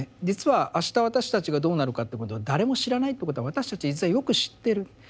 実は「あした私たちがどうなるかということは誰も知らない」ってことは私たち実はよく知ってる。